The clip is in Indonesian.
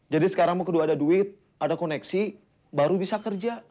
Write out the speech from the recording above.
jadi sekarang mah kedua ada duit ada koneksi baru bisa kerja